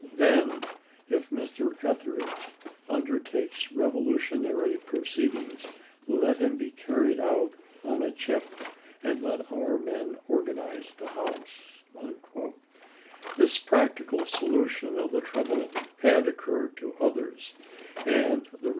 "Then," he said, "if Mr. Etheridge undertakes revolutionary proceedings, let him be carried out on a chip, and let our men organize Personal the House." This practical solution of the trouble randamMs. had occurred to others, and the Eev.